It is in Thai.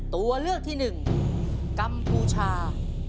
ตัวเลือกที่๑กัมพูชา